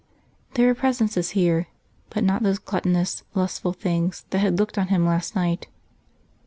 There were presences here, but not those gluttonous, lustful things that had looked on him last night....